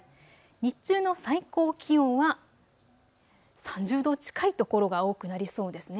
日中の最高気温は３０度近い所が多くなりそうですね。